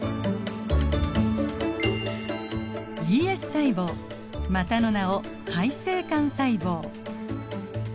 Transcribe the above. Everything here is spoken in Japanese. ＥＳ細胞またの名を胚性幹細胞。